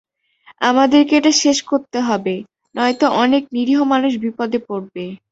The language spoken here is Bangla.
আমাদের এটা শেষ করতে হবে, নয়তো অনেক নিরীহ মানুষ বিপদে পড়বে।